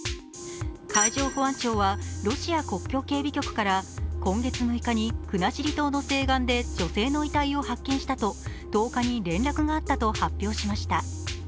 海上保安庁はロシア国境警備局から今月６日に国後島の西岸で女性の遺体を発見したと１０日に連絡があったと発表しました。